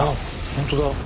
本当だ！